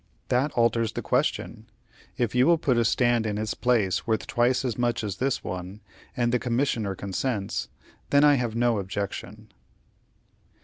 "That alters the question. If you will put a stand in its place worth twice as much as this one, and the Commissioner consents, then I have no objection."